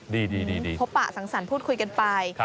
ดีครับพบป่าสังสันพูดคุยกันไป